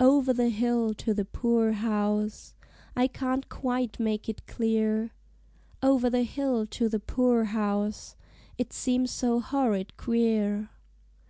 Over the hill to the poor house I can't quite make it clear! Over the hill to the poor house it seems so horrid queer!